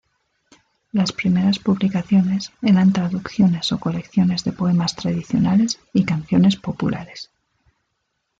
Las primeras publicaciones era traducciones o colecciones de poemas tradicionales y canciones populares.